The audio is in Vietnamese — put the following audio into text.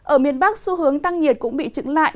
ở miền bắc xu hướng tăng nhiệt cũng bị trứng lại